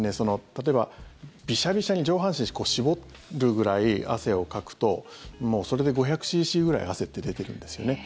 例えばビシャビシャに上半身絞るぐらい汗をかくともうそれで５００ｃｃぐらい汗って出てるんですよね。